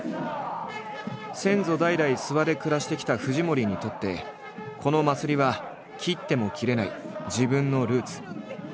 先祖代々諏訪で暮らしてきた藤森にとってこの祭りは切っても切れない自分のルーツ。